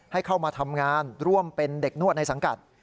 ให้เข้ามาทำงานร่วมเป็นเด็กนวดในสังกัด